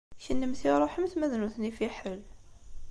Kennemti ṛuḥemt ma d nutni fiḥel.